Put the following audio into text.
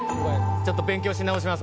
ちょっと勉強し直します